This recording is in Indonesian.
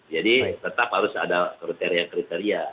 jadi tetap harus ada kriteria kriteria